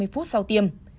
ba mươi phút sau tiêm